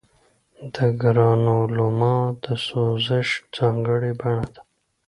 د ګرانولوما د سوزش ځانګړې بڼه ده.